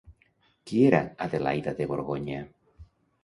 Qui era Adelaida de Borgonya?